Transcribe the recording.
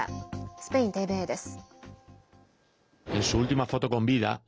スペインＴＶＥです。